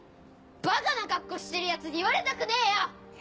バカな格好してるヤツに言われたくねえよ！